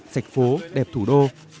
sạch phố đẹp thủ đô